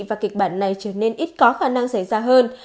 và kịch bản này trở nên ít có khả năng xảy ra hơn